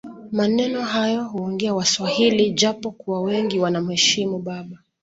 Maneno haya huongea waswahili japo kuwa wengi wanamheshimu baba